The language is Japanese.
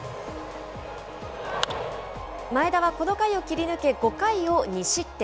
前田はこの回を切り抜け、５回を２失点。